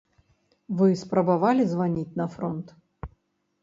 Вы спрабавалі званіць на фронт?